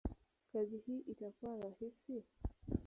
kazi hii itakuwa rahisi?